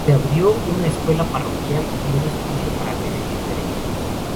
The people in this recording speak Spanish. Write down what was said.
Se abrió una escuela parroquial y un hospicio para recibir peregrinos.